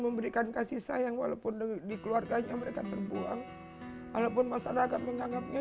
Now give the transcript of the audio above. memberikan kasih sayang walaupun di keluarganya mereka terbuang walaupun masyarakat menganggapnya